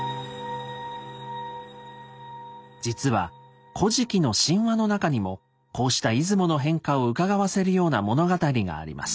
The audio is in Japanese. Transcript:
実は「古事記」の神話の中にもこうした出雲の変化をうかがわせるような物語があります。